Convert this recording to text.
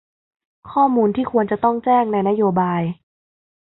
ข้อมูลที่ควรจะต้องแจ้งในนโยบาย